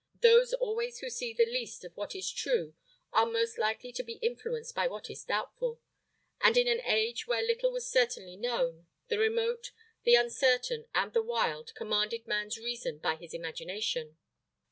Those always who see the least of what is true are most likely to be influenced by what is doubtful; and in an age where little was certainly known, the remote, the uncertain, and the wild, commanded man's reason by his imagination.